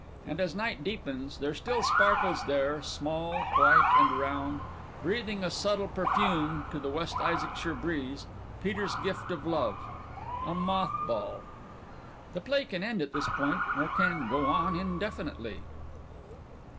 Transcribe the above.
And as night deepens there still sparkles there, small, white and round, breathing a subtle perfume to the West Issacshire breeze,_ PETER'S gift of love a moth ball. (_The play can end at this point or can go on indefinitely.